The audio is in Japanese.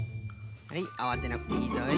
はいあわてなくていいぞい。